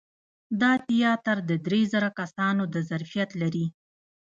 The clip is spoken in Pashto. دا تیاتر د درې زره کسانو د ظرفیت لري.